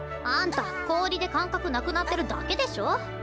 あ。あんた氷で感覚なくなってるだけでしょ。